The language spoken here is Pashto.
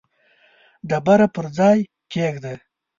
ډبره پر ځای کښېږده.